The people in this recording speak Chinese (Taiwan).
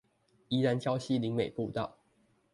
宜蘭礁溪林美步道